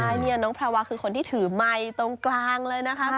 ใช่เนี่ยน้องแพรวาคือคนที่ถือไมค์ตรงกลางเลยนะครับ